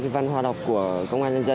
văn hóa đọc của công an nhân dân